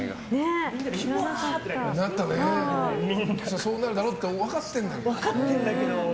そうなるだろうって分かってるんだけど。